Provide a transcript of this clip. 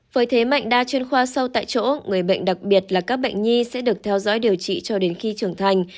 với thế mạnh đa chuyên khoa sâu tại chỗ người bệnh đặc biệt là các bệnh nhi sẽ được theo dõi điều trị cho đến khi trưởng thành